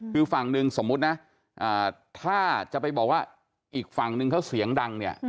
คือฝั่งหนึ่งสมมุตินะถ้าจะไปบอกว่าอีกฝั่งนึงเขาเสียงดังเนี่ย